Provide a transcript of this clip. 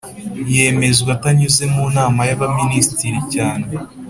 Yemezwa atanyuze mu nama y abaminisitiri cyane